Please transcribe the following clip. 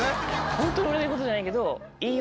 ホント俺が言うことじゃないけど。